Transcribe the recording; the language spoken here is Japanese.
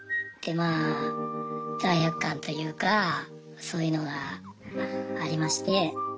でまぁ罪悪感というかそういうのがありまして。